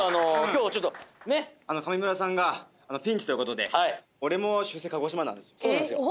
今日はちょっとねっ上村さんがピンチということで俺も出生鹿児島なんですよ